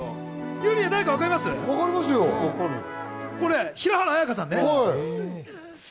ユリア、誰かわかります？